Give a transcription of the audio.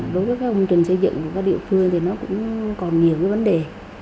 đối với các công trình xây dựng của các địa phương thì nó cũng còn nhiều cái vấn đề